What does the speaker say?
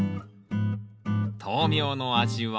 豆苗の味は？